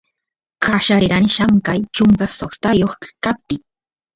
qallarerani llamkayta chunka shoqtayoq kaptiy